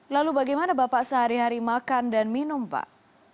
lalu bagaimana bapak sehari hari makan dan minum pak